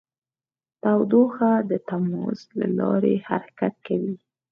تودوخه د تماس له لارې حرکت کوي.